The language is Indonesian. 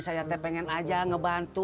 saya pengen aja ngebantu